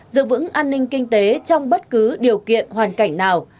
giữ vững an ninh kinh tế trong bất cứ điều kiện hoàn cảnh nào